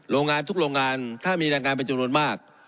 โรงงานทุกโรงงานถ้ามีรายการเป็นจุดน้อยมาก